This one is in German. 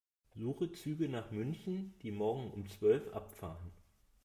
Suche Züge nach München, die morgen um zwölf Uhr abfahren.